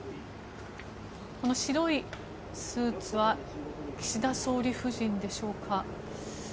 白いスーツは岸田総理夫人でしょうか。